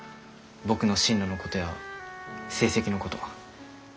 僕の進路のことや成績のこと。